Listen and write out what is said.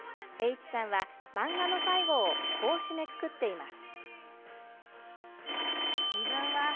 Ｈさんは漫画の最後をこう締めくくっています。